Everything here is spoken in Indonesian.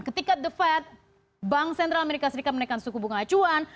ketika the fed bank sentral amerika serikat menaikkan suku bunga acuan